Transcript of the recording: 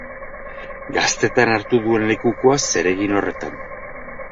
Gaztetan hartu zuen lekukoa zeregin horretan.